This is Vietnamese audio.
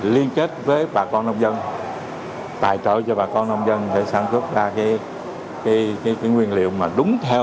liên kết với bà con nông dân tài trợ cho bà con nông dân để sản xuất ra cái nguyên liệu mà đúng theo